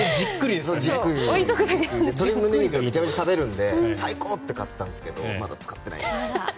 めちゃめちゃ食べるので最高って買ったんですけどまだ使ってないです。